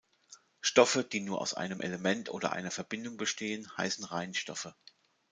Stoffe, die nur aus einem Element oder einer Verbindung bestehen, heißen Reinstoffe.